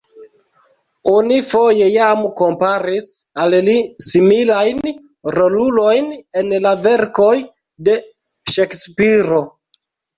Oni foje jam komparis al li similajn rolulojn en la verkoj de Ŝekspiro.